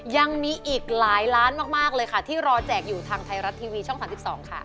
ยังมีอีกหลายล้านมากเลยค่ะที่รอแจกอยู่ทางไทยรัฐทีวีช่อง๓๒ค่ะ